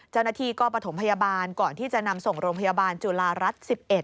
เจ้าหน้าที่ก็ประถมพยาบาลก่อนที่จะนำส่งโรงพยาบาลจุฬารัฐ๑๑